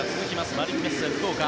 マリンメッセ福岡。